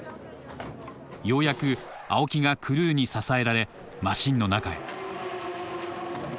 ようやく青木がクルーに支えられマシンの中へ。